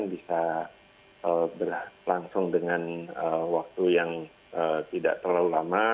bisa berlangsung dengan waktu yang tidak terlalu lama